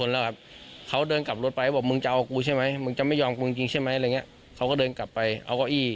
และที่รู้สึกกับลังพีท